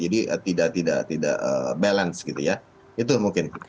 jadi tidak balance gitu ya itu mungkin